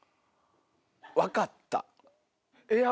分かった！